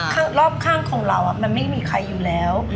ข้างรอบข้างของเรามันไม่มีใครอยู่แล้ว